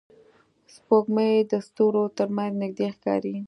سپوږمۍ د ستورو تر منځ نږدې ښکاري